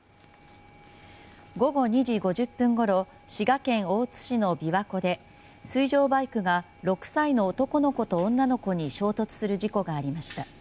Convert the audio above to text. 午後２時５０分ごろ滋賀県大津市の琵琶湖で水上バイクが６歳の男の子と女の子に衝突する事故がありました。